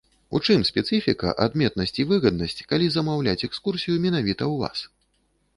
У чым спецыфіка, адметнасць і выгаднасць, калі замаўляць экскурсію менавіта ў вас?